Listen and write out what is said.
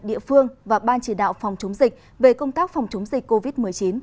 địa phương và ban chỉ đạo phòng chống dịch về công tác phòng chống dịch covid một mươi chín